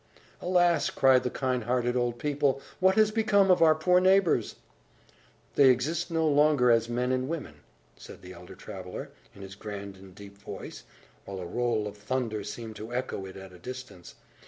"Alas!" cried the kind hearted old people, "what has become of our poor neighbours?" "They exist no longer as men and women," said the elder traveller, in his grand and deep voice, while a roll of thunder seemed to echo it at a distance.